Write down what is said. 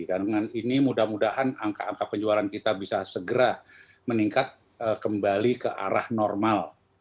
dan dengan ini mudah mudahan angka angka penjualan kita bisa segera meningkat kembali ke arah normal